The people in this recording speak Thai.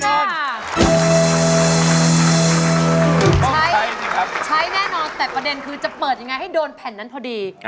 ใช้สิครับใช้แน่นอนแต่ประเด็นคือจะเปิดยังไงให้โดนแผ่นนั้นพอดี